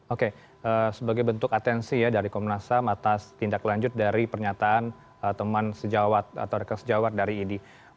oke sebagai bentuk atensi ya dari komnas ham atas tindak lanjut dari pernyataan teman sejawat atau rekan sejawat dari idi